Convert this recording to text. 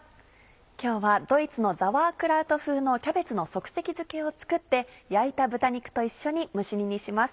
今日はドイツのザワークラウト風のキャベツの即席漬けを作って焼いた豚肉と一緒に蒸し煮にします。